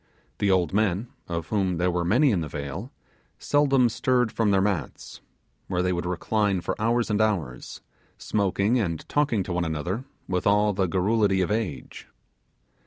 The old men, of whom there were many in the vale, seldom stirred from their mats, where they would recline for hours and hours, smoking and talking to one another with all the garrulity of age.